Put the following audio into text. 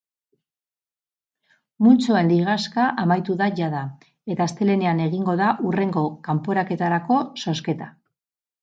Multzoen ligaxka amaitu da jada, eta astelehenean egingo da hurrengo kanporaketarako zozketa.